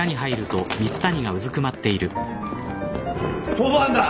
逃亡犯だ！